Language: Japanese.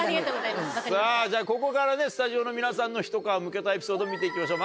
ここからねスタジオの皆さんのひと皮むけたエピソード見ていきましょう